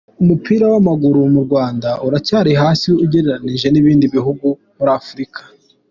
Umupira w’amaguru mu Rwanda uracyari hasi ugereranije n’ibindi bihugu muri Afurika.